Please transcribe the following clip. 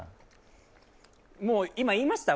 もう、今、言いました？